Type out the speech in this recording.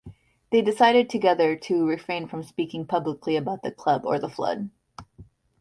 They decided together to refrain from speaking publicly about the club or the flood.